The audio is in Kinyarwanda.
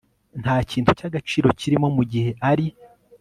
nta kintu cy agaciro kirimo mu gihe ari